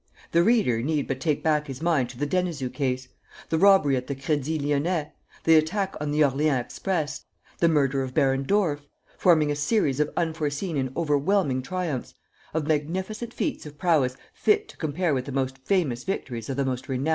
The reader need but take back his mind to the Denizou case, the robbery at the Crédit Lyonnais, the attack on the Orléans express, the murder of Baron Dorf, forming a series of unforeseen and overwhelming triumphs, of magnificent feats of prowess fit to compare with the most famous victories of the most renowned detectives.